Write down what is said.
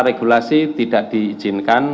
regulasi tidak diizinkan